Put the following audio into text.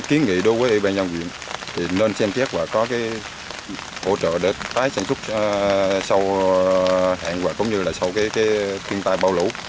kiến nghị đối với ủy ban nhân dân huyện thì nên xem thiết và có cái hỗ trợ để tái sản xuất sau hẹn hoặc cũng như là sau cái thiên tai bão lũ